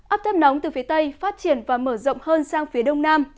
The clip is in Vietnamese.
áp thấp nóng từ phía tây phát triển và mở rộng hơn sang phía đông nam